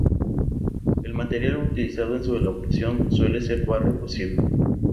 El material utilizado en su elaboración suele ser barro cocido.